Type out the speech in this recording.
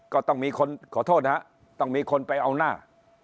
ก็ต้องมีคนขอโทษนะฮะต้องมีคนไปเอาหน้า